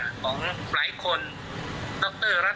ก็บอกว่าโอนไว้เถอะไม่เป็นสอสอแต่ก็ยังเป็นนายกนะ